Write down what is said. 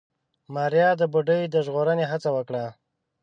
ماريا د بوډۍ د ژغورنې هڅه وکړه.